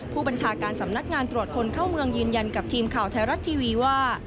ผู้บัญชาการสำนักงานตรวจคนเข้าเมืองยืนยันกับทีมข่าวไทยรัฐทีวีว่า